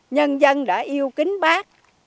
nhân dân đã yêu kính bác